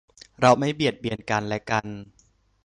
เราไม่เบียดเบียนกันและกัน~